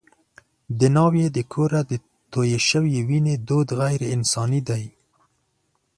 د ناوې له کوره د تویې شوې وینې دود غیر انساني دی.